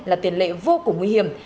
là tiền lệ vô cùng nguy hiểm